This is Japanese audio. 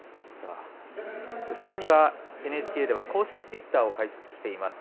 さらにはＮＨＫでは公式ツイッターを開設しています。